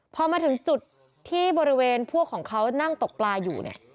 พอมาถึงจุดที่บริเวณพวกเขานั่งตกปลาอยู่